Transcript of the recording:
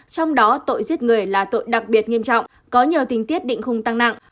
trong đó tội giết người là tội đặc biệt nghiêm trọng có nhiều tình tiết định khung tăng nặng